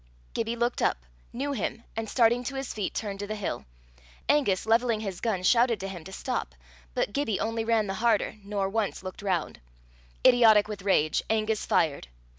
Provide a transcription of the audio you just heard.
Gibbie looked up, knew him, and starting to his feet, turned to the hill. Angus, levelling his gun, shouted to him to stop, but Gibbie only ran the harder, nor once looked round. Idiotic with rage, Angus fired.